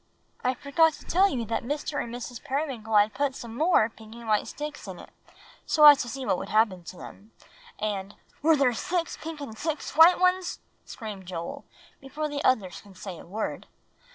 I forgot to tell you that Mr. Periwinkle and Mrs. Periwinkle had put some more pink and white sticks in it, so as to see what would happen to them, and" "Were there six pink and six white ones?" screamed Joel, before the others could say a word.